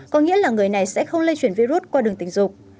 có nghĩa là người này sẽ không lây chuyển virus qua đường tình dục